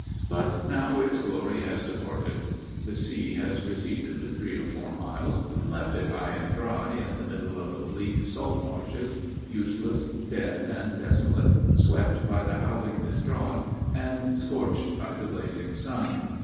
But now its glory has departed. The sea has receded three or four miles, and left it high and dry in the middle of bleak salt marshes, useless, dead and desolate, swept by the howling mistral and scorched by the blazing sun.